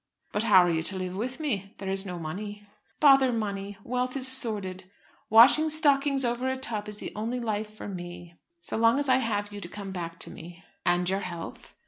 "But how are you to live with me? There is no money." "Bother money. Wealth is sordid. Washing stockings over a tub is the only life for me, so long as I have you to come back to me." "And your health?"